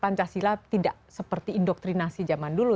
pancasila tidak seperti indoktrinasi zaman dulu